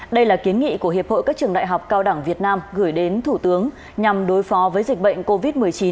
đây là kiến nghị của hiệp hội các trường đại học cao đẳng việt nam gửi đến thủ tướng nhằm đối phó với dịch bệnh covid một mươi chín